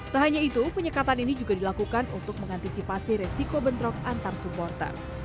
tak hanya itu penyekatan ini juga dilakukan untuk mengantisipasi resiko bentrok antar supporter